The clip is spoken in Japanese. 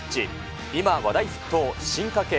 今話題沸騰、進化系